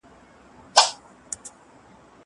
زه پرون سبزېجات تياروم وم!!